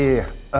masih inget kan